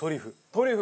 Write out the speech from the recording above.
トリュフ？